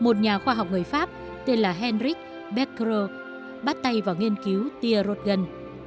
một nhà khoa học người pháp tên là heinrich beckerer bắt tay vào nghiên cứu tia rột gần